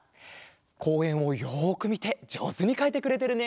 こうえんをよくみてじょうずにかいてくれてるね。